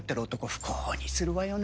不幸にするわよね。